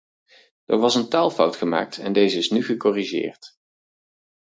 Er was een taalfout gemaakt en deze is nu gecorrigeerd.